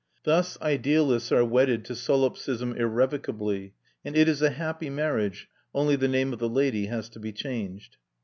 Thus idealists are wedded to solipsism irrevocably; and it is a happy marriage, only the name of the lady has to be changed.